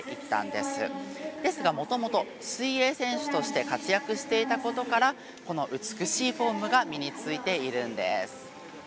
ですが、もともと水泳選手として活躍していたことからこの美しいフォームが身についているんです。